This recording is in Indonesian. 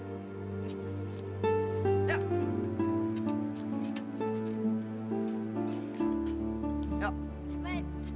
kamu harus ikut aku ke suatu tempat kamu masih seneng